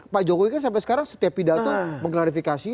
pak jokowi kan sampai sekarang setiap pidato mengklarifikasi